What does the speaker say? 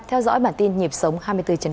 theo dõi bản tin nhịp sống hai mươi bốn h